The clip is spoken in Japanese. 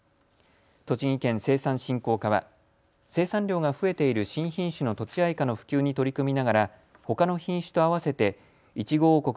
栃木県生産振興課は生産量が増えている新品種のとちあいかの普及に取り組みながらほかの品種と合わせていちご王国